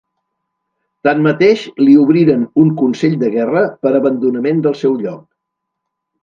Tanmateix li obriren un consell de guerra per abandonament del seu lloc.